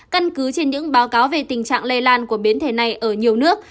căn cứ trên những báo cáo về tình trạng lây lan của biến thể này ở nhiều nước